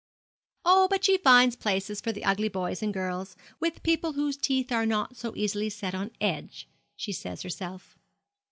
'Oh, but she finds places for the ugly boys and girls, with people whose teeth are not so easily set on edge, she says herself.